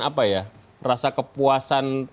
apa ya rasa kepuasan